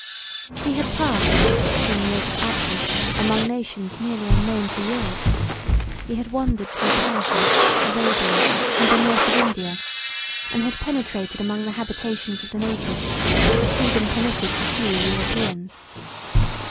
He had passed the sixteen years of absence among nations nearly unknown to Europe; he had wandered through Persia, Arabia and the north of India and had penetrated among the habitations of the natives with a freedom permitted to few Europeans.